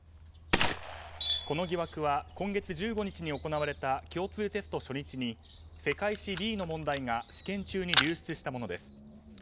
この疑惑は、今月１５日に行われた共通テスト初日に世界史Ｂの問題が試験中に流出したものです。